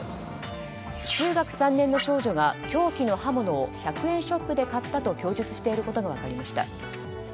中学３年の少女が凶器の刃物を１００円ショップで買ったと供述していることが分かりました。